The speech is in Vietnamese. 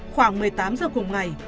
khoảng một mươi tám giờ cùng ngày